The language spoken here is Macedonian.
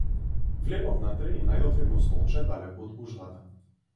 Влегов внатре и најдов едно столче далеку од гужвата.